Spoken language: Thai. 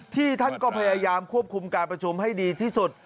ที่ท่านก็พยายามควบคุมการประชุมให้ดีที่สุด